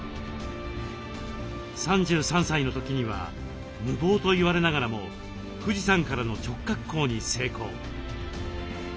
３３歳の時には無謀と言われながらも富士山からの直滑降に成功。